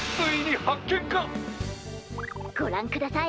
ごらんください！